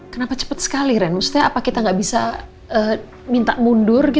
kenapa cepat sekali rain maksudnya apa kita gak bisa minta mundur